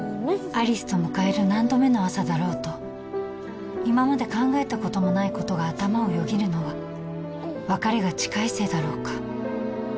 有栖と迎える何度目の朝だろうと今まで考えたこともないことが頭をよぎるのは別れが近いせいだろうか？